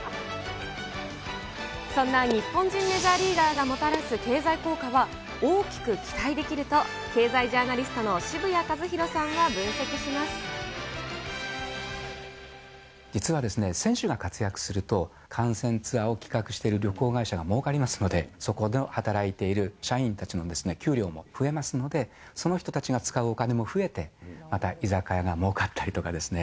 そんな日本人メジャーリーガーがもたらす経済効果は、大きく期待できると経済ジャーナリストの渋谷和宏さんが分析しま実はですね、選手が活躍すると、観戦ツアーを企画してる旅行会社がもうかりますので、そこで働いている社員たちの給料も増えますので、その人たちが使うお金も増えて、また居酒屋がもうかったりとかですね。